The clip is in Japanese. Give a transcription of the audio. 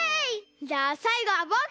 じゃあさいごはぼく。